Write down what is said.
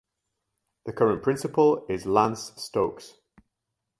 The current principal is Lance Stokes.